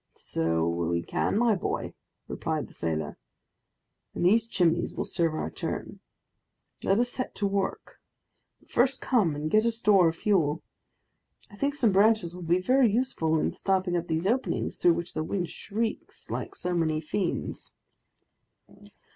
"So we can, my boy," replied the sailor, "and these Chimneys will serve our turn. Let us set to work, but first come and get a store of fuel. I think some branches will be very useful in stopping up these openings, through which the wind shrieks like so many fiends."